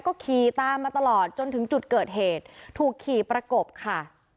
ก็ขี่ตามมาตลอดจนถึงจุดเกิดเหตุถูกขี่ประกบค่ะ